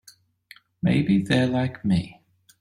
Maybe they're like me.